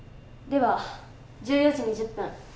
では１４時２２分